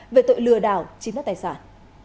về tội lừa đảo chiếm đất tài sản